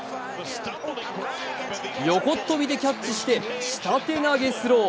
横っ飛びでキャッチして下手投げスロー。